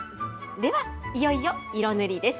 では、いよいよ色塗りです。